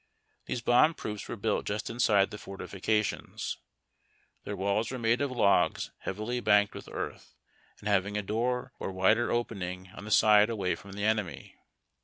Thes>e bomb proofs were built just inside the fortifications. Their walls were made of logs heavily banked with earth and liaving a door or wider opening on the side away from the enemy.